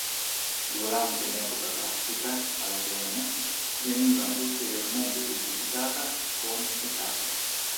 Durante l'epoca classica ad Atene veniva ulteriormente identificata con Ecate.